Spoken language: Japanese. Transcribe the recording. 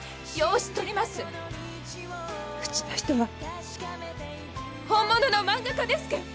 うちの人は本物の漫画家ですけん。